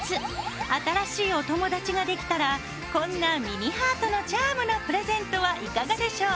新しいお友達ができたらこんな「ミニハートのチャーム」のプレゼントはいかがでしょう。